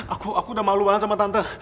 aku aku udah malu banget sama tante